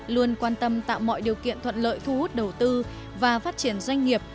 luôn quan tâm tạo mọi điều kiện thuận lợi thu hút đầu tư và phát triển doanh nghiệp